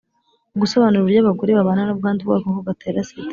Gusobanura uburyo abagore babana n ubwandu bw agakoko gatera sida